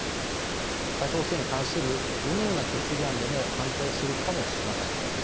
北朝鮮に関するどのような決議案でも反対するかもしれません。